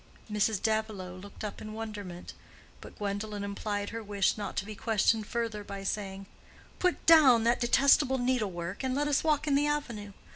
Mrs. Davilow looked up in wonderment, but Gwendolen implied her wish not to be questioned further by saying, "Put down that detestable needlework, and let us walk in the avenue.